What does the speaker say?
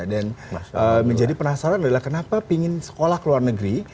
dan menjadi penasaran adalah kenapa ingin sekolah ke luar negeri